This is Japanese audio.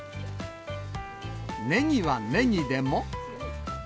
ねぎはねぎでも。